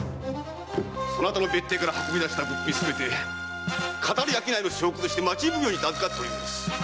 そなたの別邸から運び出した物品すべて騙り商いの証拠として町奉行にて預かっております。